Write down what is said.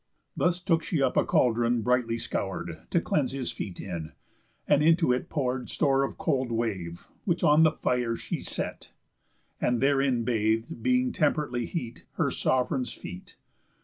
Thus took she up a caldron brightly scour'd, To cleanse his feet in; and into it pour'd Store of cold wave, which on the fire she set; And therein bath'd, being temperately heat, Her sov'reign's feet.